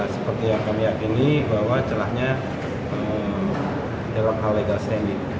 seperti yang kami yakin bahwa celahnya terlalu legal standing